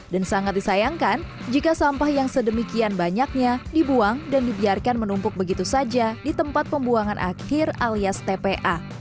dan sangat disayangkan jika sampah yang sedemikian banyaknya dibuang dan dibiarkan menumpuk begitu saja di tempat pembuangan akhir alias tpa